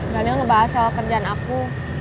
daniel ngebahas soal kerjaan aku